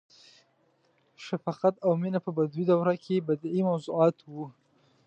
• شفقت او مینه په بدوي دوره کې بدیعي موضوعات وو.